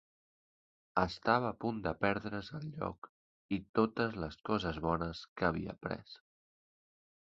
Estava a punt de perdre's el lloc i totes les coses bones que havia après.